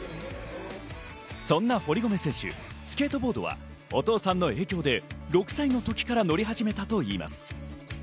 そんな堀米選手、スケートボードはお父さんの影響で６歳の時から乗り始めたといいます。